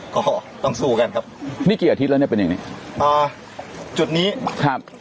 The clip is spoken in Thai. ก็ต้องสู้กันครับนี่กี่อาทิตย์แล้วเนี่ยเป็นอย่างนี้อ่าจุดนี้ครับ